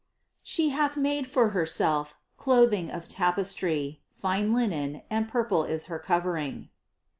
793. "She hath made for herself clothing of tapestry : fine linen, and purple is her covering."